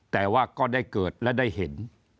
แต่ว่าก็ได้เกิดและได้เห็น